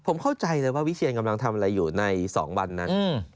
ผมเข้าใจเลยว่าวิเชียนกำลังทำอะไรอยู่ใน๒วันนั้น